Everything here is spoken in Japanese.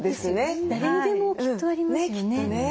誰にでもきっとありますよね。